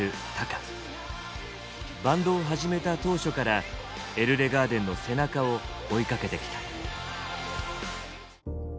バンドを始めた当初からＥＬＬＥＧＡＲＤＥＮの背中を追いかけてきた。